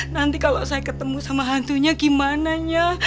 nanti kalo saya ketemu sama hantunya gimana nyah